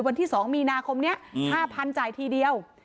วันที่สองมีนาคมเนี้ยอืมห้าพันจ่ายทีเดียว